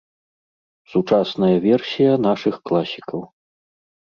Сучасная версія нашых класікаў.